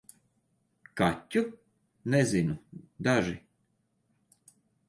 Kaķu? Nezinu - daži.